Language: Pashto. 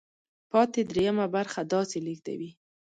پاتې درېیمه برخه داسې لیږدوي.